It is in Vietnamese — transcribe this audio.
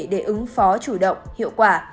để ứng phó chủ động hiệu quả